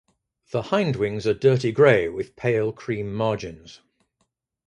The hindwings are dirty grey with pale cream margins.